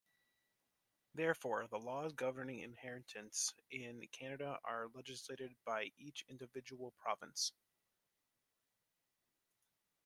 Therefore, the laws governing inheritance in Canada are legislated by each individual province.